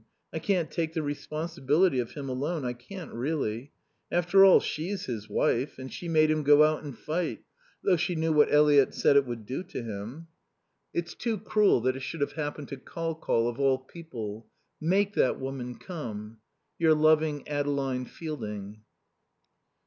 I can't take the responsibility of him alone, I can't really. After all, she's his wife, and she made him go out and fight, though she knew what Eliot said it would do to him. It's too cruel that it should have happened to Col Col of all people. Make that woman come. Your loving Adeline Fielding.